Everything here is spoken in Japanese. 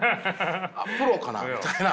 プロかなみたいな。